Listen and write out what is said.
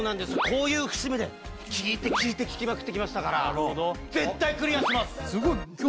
こういう節目で聴いて聴いて聴きまくってきましたから絶対クリアします